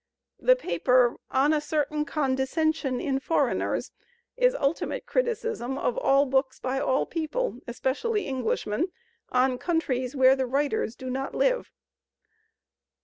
The paper "On a Certain Condescension in Foreigners" is ultimate criticism of all books by all people, especially Englishmen, on countries where the writers do not Uve.